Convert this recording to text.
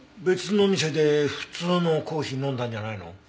別のお店で普通のコーヒー飲んだんじゃないの？